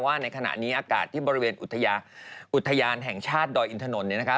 ในขณะนี้อากาศที่บริเวณอุทยานแห่งชาติดอยอินทนนท์เนี่ยนะคะ